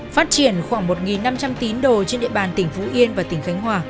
phát triển khoảng một năm trăm linh tín đồ trên địa bàn tỉnh phú yên và tỉnh khánh hòa